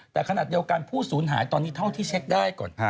แต่ขณะเดียวกันผู้สูญหายตอนนี้เท่าที่เช็คได้ก่อน